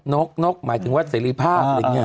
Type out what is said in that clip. นกนกหมายถึงว่าเศรษฐภาพ